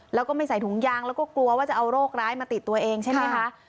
แล้วก็ไม่ใส่ถุงยางแล้วก็กลัวว่าจะเอาโรคร้ายมาติดตัวเองใช่ไหมคะ